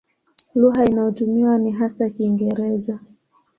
Lugha inayotumiwa ni hasa Kiingereza.